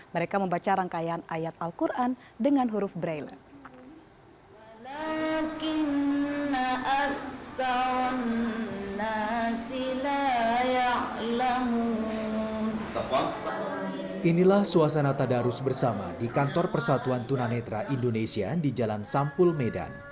mereka membaca rangkaian ayat al quran dengan huruf braille